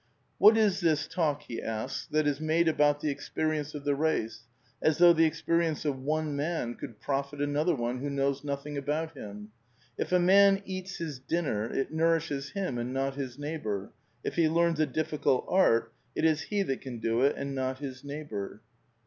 '' What is this talk that is made about the experience of the race, as though the experience of one man could profit another one who knows nothinfi: about him? If a man eats his dinner, it nourishes him and not his neighbour; if he learns a difficult art, it is he that can do it and not his neighbour."